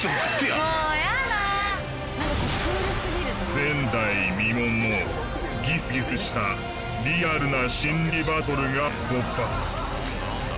前代未聞のギスギスしたリアルな心理バトルが勃発。